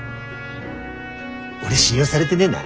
俺信用されでねえな。